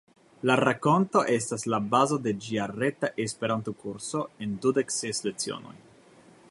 La rakonto estas la bazo de ĝia reta Esperanto-kurso en dudek ses lecionoj.